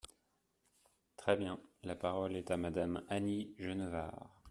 Très bien ! La parole est à Madame Annie Genevard.